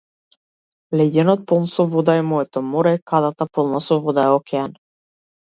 Леѓенот полн со вода е моето море, кадата полна со вода е океан.